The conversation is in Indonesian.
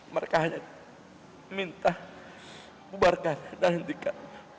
mereka hanya minta bubarkan dan hentikan